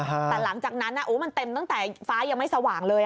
แต่หลังจากนั้นมันเต็มตั้งแต่ฟ้ายังไม่สว่างเลย